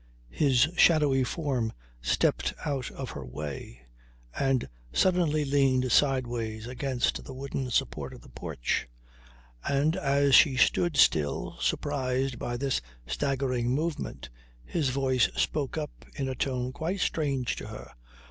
His shadowy form stepped out of her way, and suddenly leaned sideways against the wooden support of the porch. And as she stood still, surprised by this staggering movement, his voice spoke up in a tone quite strange to her.